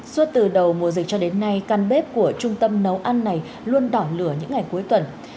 suốt từ đầu mùa dịch cho đến nay căn bếp của trung tâm nấu ăn này luôn đỏ lửa những ngày cuối tuần